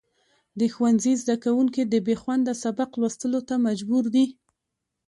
د ښوونځي زدهکوونکي د بېخونده سبق لوستلو ته مجبور دي.